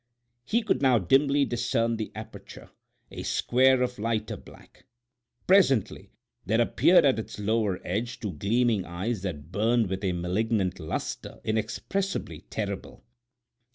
He could now dimly discern the aperture—a square of lighter black. Presently there appeared at its lower edge two gleaming eyes that burned with a malignant lustre inexpressibly terrible!